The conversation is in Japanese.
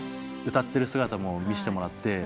歌ってる姿も見せてもらって。